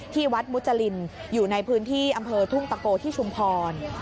ที่วัดมุจรินอยู่ในพื้นที่อำเภอทุ่งตะโกที่ชุมพร